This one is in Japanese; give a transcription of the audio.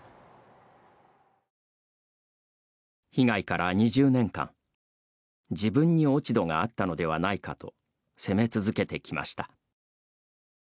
被害から２０年間自分に落ち度があったのではないかと責め続けてきました。